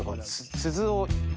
鈴を。